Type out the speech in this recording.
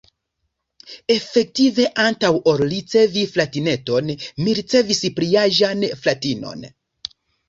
Efektive, antaŭ ol ricevi fratineton, mi ricevis pliaĝan fratinon!